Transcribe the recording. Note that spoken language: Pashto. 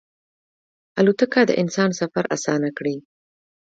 الوتکه د انسان سفر اسانه کړی.